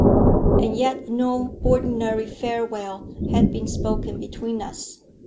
And yet no ordinary farewell had been spoken between us.